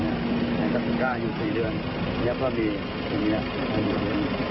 แอลตรัมปิกก้าอยู่๔เดือนแล้วก็มีตรงนี้อยู่ตรงนี้